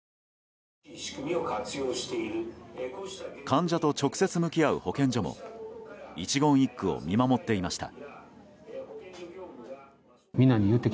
患者と直接向き合う保健所も一言一句を見守っていました。